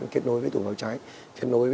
kết nối với tủ bảo cháy kết nối với